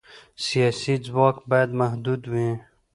سیاسي ځواک باید محدود وي